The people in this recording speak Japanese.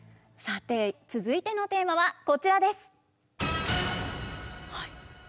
さて続いてのテーマはこちらです。